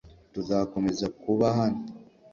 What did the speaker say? tuzakomeza kuba hano